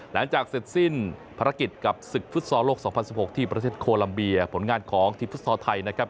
หลังจากเสร็จสิ้นภารกิจกับศึกฟุตซอลโลก๒๐๑๖ที่ประเทศโคลัมเบียผลงานของทีมฟุตซอลไทยนะครับ